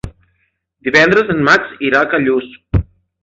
Divendres en Max irà a Callús.